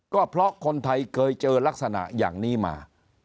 ก็เพราะคนไทยเคยเจอลักษณะอย่างนี้มา